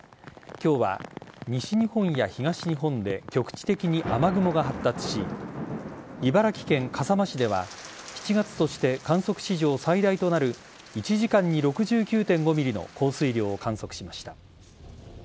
今日は西日本や東日本で局地的に雨雲が発達し茨城県笠間市では７月として観測史上最大となる１時間に６９．５ｍｍの降水量を観測しました。